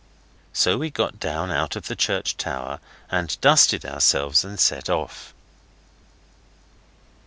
So we got down out of the church tower and dusted ourselves, and set out.